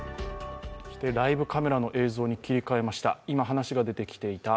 ライブカメラの映像に切り替えました。